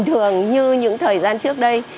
bình thường như những thời gian trước đây